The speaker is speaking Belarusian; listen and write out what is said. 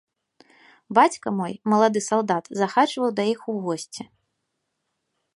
Бацька мой, малады салдат, захаджваў да іх у госці.